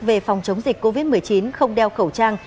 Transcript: về phòng chống dịch covid một mươi chín không đeo khẩu trang